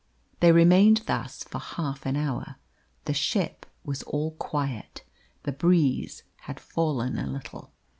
They remained thus for half an hour. The ship was all quiet. The breeze had fallen a little.